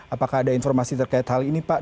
apakah ada informasi terkait hal ini pak